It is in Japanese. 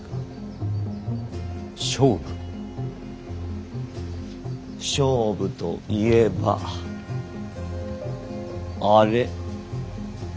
勝負といえばあれ。